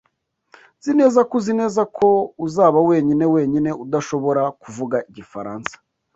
Nzi neza ko uzi neza ko uzaba wenyine wenyine udashobora kuvuga igifaransa.